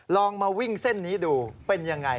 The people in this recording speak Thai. ลองมาวิ่งเส้นนี้ดูเป็นยังไง